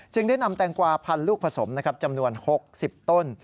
ได้นำแตงกวาพันลูกผสมจำนวน๖๐ต้น